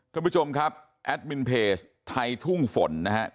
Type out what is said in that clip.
ท่านผู้ชมครับแอดมินเพจไทยทุ่งฝนนะครับ